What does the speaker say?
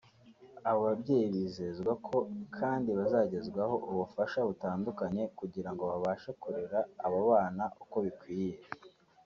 Abo babyeyi bizezwa ko kandi bazagezwaho ubufasha butandukanye kugira ngo babashe kurera abo bana uko bikwiye